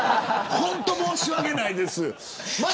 本当に申し訳ないです。